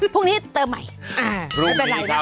พรุ่งนี้เติมใหม่เป็นไรนะคะพรุ่งนี้ครับ